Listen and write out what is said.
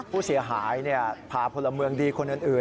ผู้เสียหายพาพลเมืองดีคนอื่น